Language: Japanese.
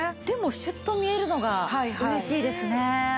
でもシュッと見えるのが嬉しいですね。